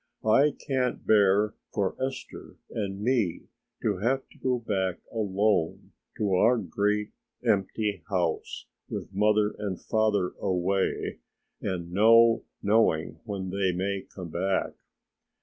"I can't bear for Esther and me to have to go back alone to our great, empty house with mother and father away and no knowing when they may come back."